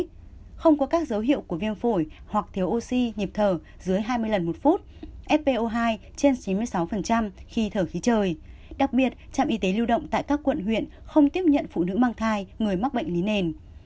các dấu hiệu của viêm phổi hoặc thiếu oxy nhịp thở dưới hai mươi lần một phút fpo hai trên chín mươi sáu khi thở khí trời đặc biệt trạm y tế lưu động tại các quận huyện không tiếp nhận phụ nữ mang thai người mắc bệnh lý nền